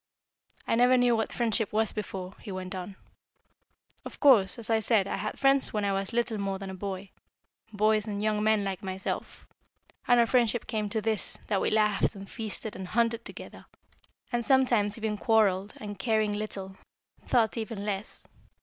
"I never knew what friendship was before," he went on. "Of course, as I said, I had friends when I was little more than a boy, boys and young men like myself, and our friendship came to this, that we laughed, and feasted and hunted together, and sometimes even quarrelled, and caring little, thought even less.